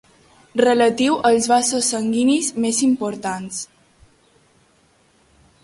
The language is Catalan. Relatiu als vasos sanguinis més importants.